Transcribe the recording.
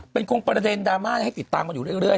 เป็นคงประเด็นดราม่าให้ติดตามกันอยู่เรื่อย